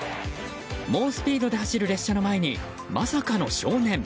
猛スピードで走る列車の前にまさかの少年。